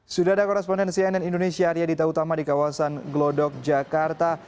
sudara korrespondensi ann indonesia arya dita utama di kawasan glodok jakarta